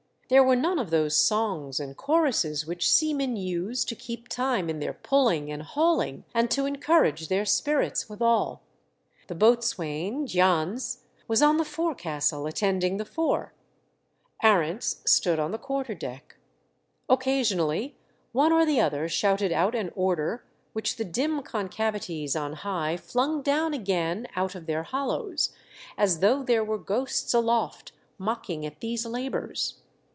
There were none of those songs and choruses which seamen use to keep time in their pulling and hauling and to encourage their spirits withal. The boatswain, Jans, was on the forecastle attending the fore ; Arents stood on the quarter deck. Occasionally one or the other shouted out an order which the dim concavities on high flung down again out of their hollows, as though there were ghosts aloft mocking at these labours.